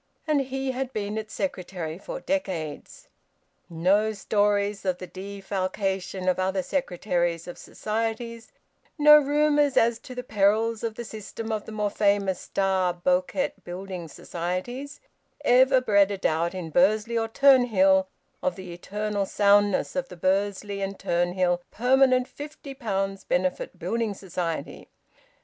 And he had been its secretary for decades. No stories of the defalcation of other secretaries of societies, no rumours as to the perils of the system of the more famous Starr Bowkett Building Societies, ever bred a doubt in Bursley or Turnhill of the eternal soundness of the Bursley and Turnhill Permanent 50 pounds Benefit Building Society.